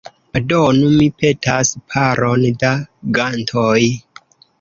Donu, mi petas, paron da gantoj.